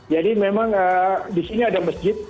jadi memang di sini ada masjid